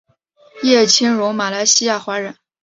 叶清荣马来西亚华人。